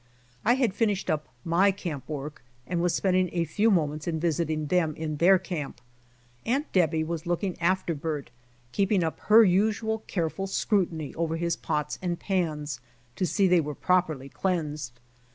I had finished up my camp work and wa.s spending a few moments in visiting them in their camp. Aunt Debby was looking after Bert, THE PRANKS OF A COOK 119 keeping up her usual careful scrutiny over his pots and pans to see they were properly cleansed.